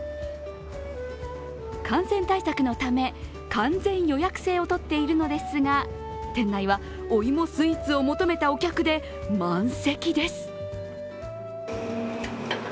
感染対策のため完全予約制を取っているのですが店内はお芋スイーツを求めたお客で満席です。